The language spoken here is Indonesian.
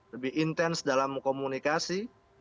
lebih intens dalam komunikasi